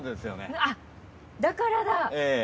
あっだからだ！